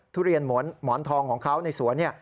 ทุเรียนหมอนหมอนทองของเขาในสวน